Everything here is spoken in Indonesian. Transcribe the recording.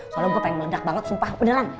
soalnya gue pengen meledak banget sumpah